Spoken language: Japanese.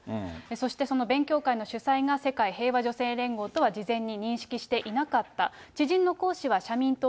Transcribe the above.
そして、その勉強会の主催が世界平和女性連合とは事前に認識していなかった。